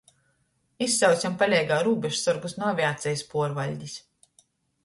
Izsaucam paleigā rūbežsorgus nu aviacejis puorvaļdis.